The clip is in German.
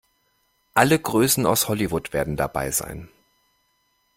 Alle Größen aus Hollywood werden dabei sein.